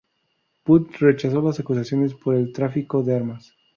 But rechazó las acusaciones por el tráfico de armas.